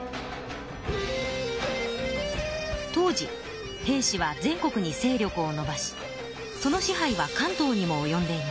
当時平氏は全国に勢力をのばしその支配は関東にもおよんでいました。